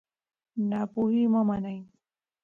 ناپوهي مه منئ.